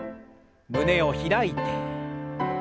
胸を開いて。